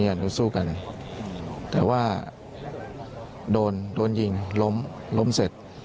หนูสู้กันแต่ว่าโดนโดนยิงล้มล้มเสร็จ